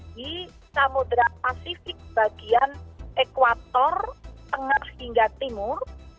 nah ini adalah yang terjadi di pasifik bagian ekuator tengah hingga timur